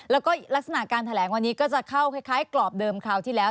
แล้วก็ลักษณะการแถลงวันนี้ก็จะเข้าคล้ายกรอบเดิมคราวที่แล้ว